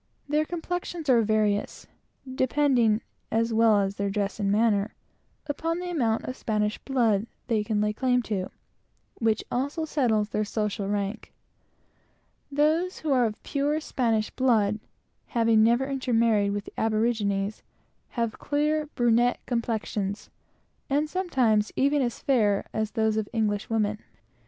Their complexions are various, depending as well as their dress and manner upon their rank; or, in other words, upon the amount of Spanish blood they can lay claim to. Those who are of pure Spanish blood, having never intermarried with the aborigines, have clear brunette complexions, and sometimes, even as fair as those of English women.